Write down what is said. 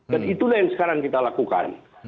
dan itulah yang sekarang kita lakukan